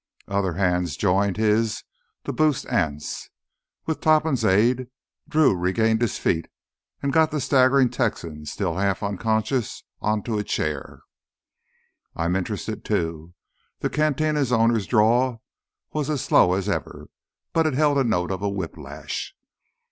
Other hands joined his to boost Anse. With Topham's aid Drew regained his feet and got the staggering Texan, still half unconscious, onto a chair. "I'm interested, too." The cantina owner's drawl was as slow as ever, but it held a note of a whiplash.